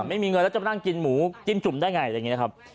ไม่มีเงินแล้วจะมานั่งกินหมูจิ้มจุ่มได้ไงอะไรอย่างนี้นะครับ